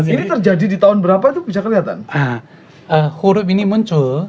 ini terjadi di tahun berapa itu bisa kelihatan